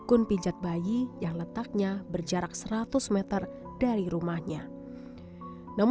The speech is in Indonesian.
entah apa apa yang tidak ada